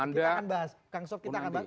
kita akan bahas kang sob kita akan bahas